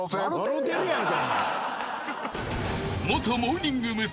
［元モーニング娘。